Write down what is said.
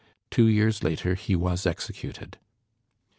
Two years later he was executed.